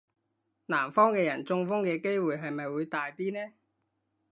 南方嘅人中風嘅機會係咪會大啲呢?